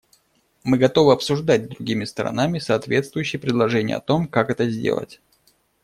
Мы готовы обсуждать с другими сторонами соответствующие предложения о том, как это сделать.